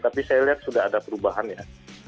tapi saya lihat sudah ada perubahan ya